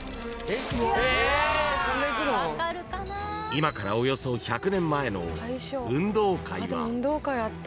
［今からおよそ１００年前の運動会は］